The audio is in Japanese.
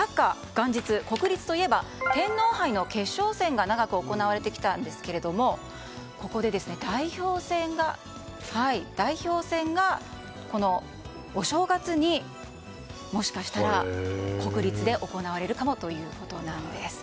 元日、国立といえば天皇杯決勝戦が長く行われてきたんですがここで代表戦が、このお正月にもしかしたら国立で行われるかもということです。